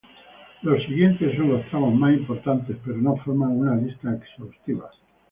Los siguientes son los tramos más importantes, pero no forman una lista exhaustiva.